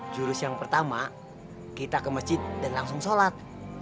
jurus yang pertama kita ke masjid dan langsung sholat